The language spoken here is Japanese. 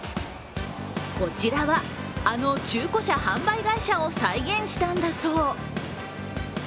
こちらは、あの中古車販売会社を再現したんだそう。